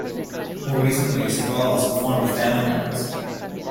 More recently Savall has performed with family members.